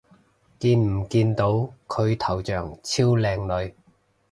見唔見到佢頭像超靚女